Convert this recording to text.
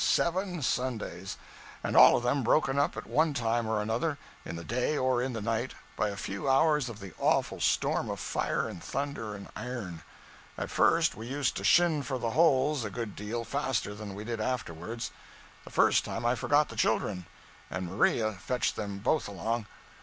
Seven Sundays, and all of them broken up at one time or another, in the day or in the night, by a few hours of the awful storm of fire and thunder and iron. At first we used to shin for the holes a good deal faster than we did afterwards. The first time, I forgot the children, and Maria fetched them both along.